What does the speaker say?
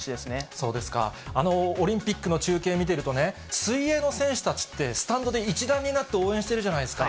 そうですか、オリンピックの中継見てると、水泳の選手たちって、スタンドで一団になって応援してるじゃないですか。